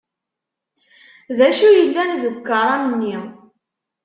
D acu yellan deg ukaram-nni?